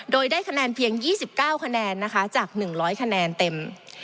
โดยได้คะแนนเพียง๒๙คะแนนนะคะจาก๑๐๐คะแนนเต็ม